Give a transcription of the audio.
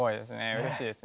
うれしいですね。